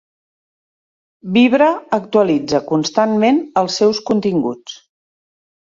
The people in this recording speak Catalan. Vibra actualitza constantment els seus continguts.